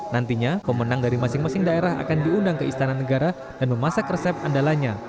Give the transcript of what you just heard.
nantinya pemenang dari masing masing daerah akan diundang ke istana negara dan memasak resep andalanya